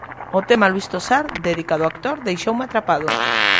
O tema "Luis Tosar", dedicado ao actor, deixoume atrapado.